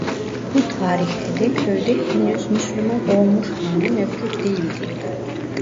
Bu tarihte de köyde henüz Müslüman olmuş hane mevcut değildi.